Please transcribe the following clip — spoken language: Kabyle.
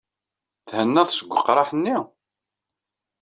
Thennaḍ seg weqraḥ-nni?